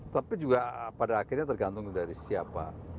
tapi juga pada akhirnya tergantung dari siapa